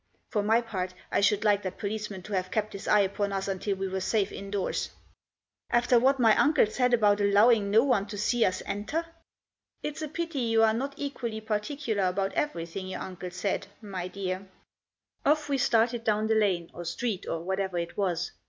For my part I should like that policeman to have kept his eye upon us until we were safe indoors." " After what my uncle said about allowing no one to see us enter?" " Ifs a pity you are not equally particular about everything your uncle said, my dear." Digitized by BETWEEN 13 & 14, ROSEMARY STREET. 89 Off we started down the lane, or street, or whatever it was.